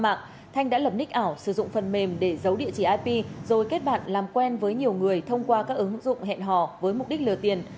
mạng thanh đã lập nick ảo sử dụng phần mềm để giấu địa chỉ ip rồi kết bạn làm quen với nhiều người thông qua các ứng dụng hẹn hò với mục đích lừa tiền